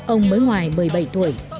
ông mới ngoài một mươi bảy tuổi